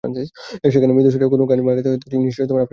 সেখানে মৃদুস্বরে কোনো গান বাজতে থাকলে নিশ্চয়ই আপনি বিরক্ত হবেন না।